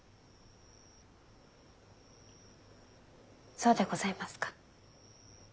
そうでございますか。